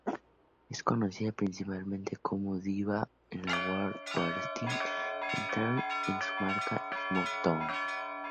Es conocida principalmente como Diva en la World Wrestling Entertainment, en su marca SmackDown!.